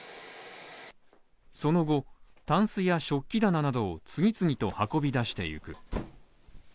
その後、タンスや食器棚などを次々と運び出していく。